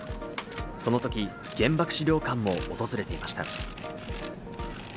その時、原爆資料館も訪れていました。